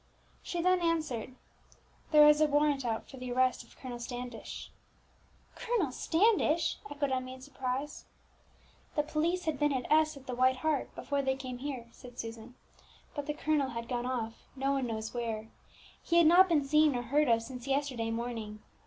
She then answered, "There is a warrant out for the arrest of Colonel Standish." "Colonel Standish!" echoed Emmie in surprise. "The police had been at S , at the White Hart, before they came here," said Susan; "but the colonel had gone off, no one knows where. He had not been seen or heard of since yesterday morning.